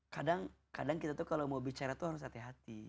kadang kadang kita tuh kalau mau bicara tuh harus hati hati